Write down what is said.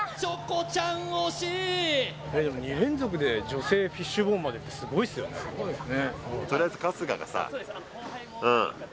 えっでも２連続で女性フィッシュボーンまでってすごいっすよね